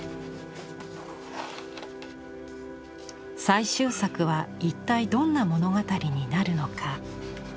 最終作は一体どんな物語になるのか？